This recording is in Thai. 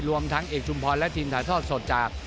รวมทั้งเอกชุมพรและทีมถ่ายทอดสดจาก